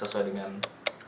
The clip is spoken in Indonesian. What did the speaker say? terus misalkan sudah selesai